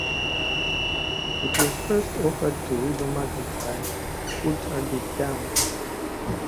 It was first offered to Reba McEntire, who turned it down.